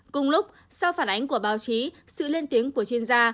cùng lúc sau phản ánh của báo chí sự lên tiếng của chuyên gia